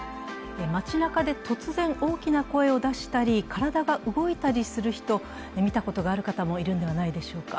街なかで突然、大きな声を出したり体が動いたりする人を見たことがある人もいるのではないでしょうか。